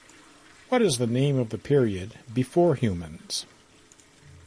What is the name of the period before humans?